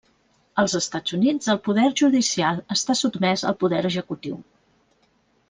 Als Estats Units, el poder judicial està sotmès al poder executiu.